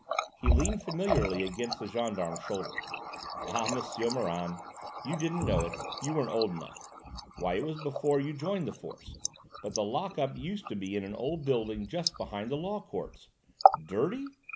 He leaned familiarly against the gendarme's shoulder. "Ah, M'sieu Morand, you didn't know it you weren't old enough why, it was before you joined the force but the lock up used to be in an old building just behind the Law Courts: dirty!